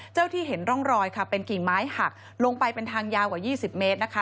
ที่เห็นร่องรอยค่ะเป็นกิ่งไม้หักลงไปเป็นทางยาวกว่า๒๐เมตรนะคะ